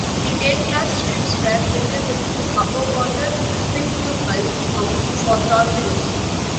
The K-class ships were fitted with two above-water quintuple mounts for torpedoes.